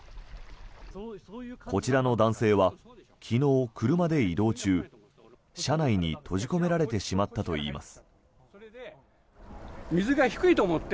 こちらの男性は昨日、車で移動中車内に閉じ込められてしまったといいます。